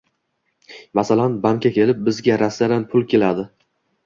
Masalan, banka kelib, bizga Rossiyadan pul kelodi